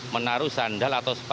menaruh sandal atau sepala